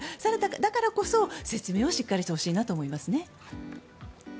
だからこそ、説明をしっかりしてほしいなと思いますね。